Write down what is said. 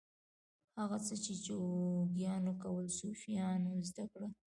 هغه څه چې جوګیانو کول صوفیانو زده کړل.